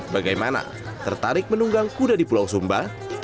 bagaimana tertarik menunggang kuda di pulau sumba